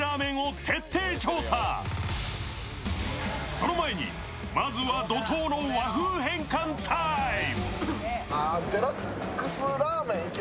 その前に、まずは怒とうの和風変換タイム！